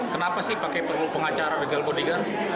kenapa sih pakai perlu pengacara legal bodyer